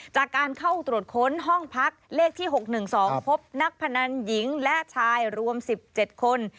จากการเข้าตรวจค้นห้องพักเลขที่หกหนึ่งสองพบนักพนันหญิงและชายรวมสิบเจ็ดคน